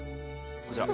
こちら。